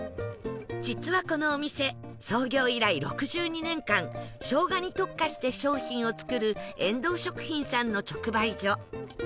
実はこのお店創業以来６２年間生姜に特化して商品を作る遠藤食品さんの直売所